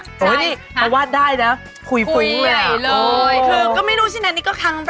โอ้นี่เพราะวาดได้นะคุยฟึ้งอ่ะอ่ะโอ้คือไม่รู้ฉันนั้นนี่ก็ครั้งแรกเลย